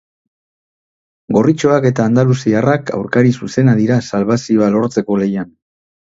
Gorritxoak eta andaluziarrak aurkari zuzeneak dira salbazioa lortzeko lehian.